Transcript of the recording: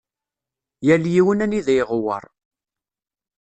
Yal yiwen anida iɣewweṛ.